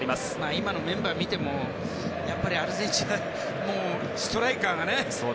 今のメンバーを見てもやっぱりアルゼンチンはストライカーがね。